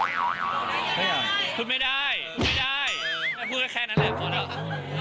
ใช่อ่ะคือไม่ได้ไม่ได้ไม่ได้พูดแค่นั้นแหละ